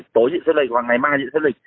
tối chị xếp lịch hoặc ngày mai chị xếp lịch